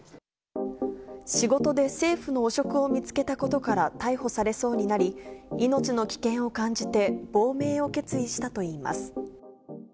仕事で政府の汚職を見つけたことから逮捕されそうになり、命の危険を感じて、亡命を決意したといいます。